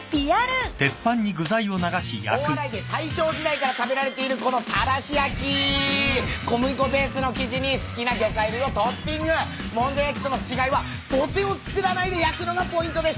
大洗で大正時代から食べられているこのたらし焼き小麦粉ベースの生地に好きな魚介類をトッピングもんじゃ焼きとの違いは土手を作らないで焼くのがポイントです。